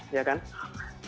pada campaign dan pilihan film